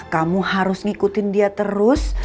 kamu harus ngikutin dia terus